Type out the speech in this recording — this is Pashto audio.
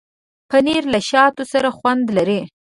پنېر له شاتو سره خوند لري.